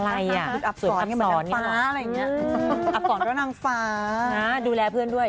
อะไรอ่ะอับสอนด้วยนางฟ้าอะไรอย่างเงี้ยอับสอนด้วยนางฟ้าอ่าดูแลเพื่อนด้วย